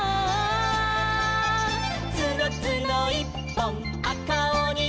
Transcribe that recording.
「つのつのいっぽんあかおにどん」